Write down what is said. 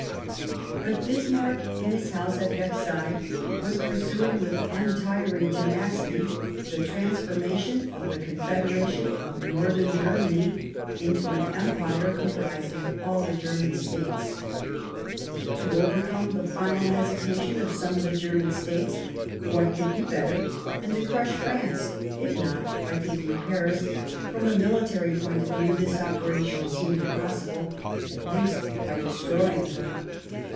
But Bismarck, in his house at Versailles, was pursuing, with untiring tcnacit3^ the transformation of the Confederation of Northern Ger ol°Paris^"^^'^* many into an Empire comiprising all the German States. To overcome the final ,^ hesitation of some of the German States, what could J be better than to crush France, if not by taking y r Paris (from a military point of view this operation seemed impossible), at least by destroying her